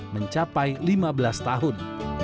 mencapai lima belas tahun